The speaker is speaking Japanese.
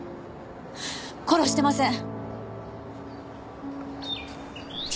殺してません！